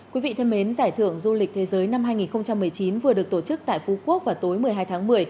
quý vị thân mến giải thưởng du lịch thế giới năm hai nghìn một mươi chín vừa được tổ chức tại phú quốc vào tối một mươi hai tháng một mươi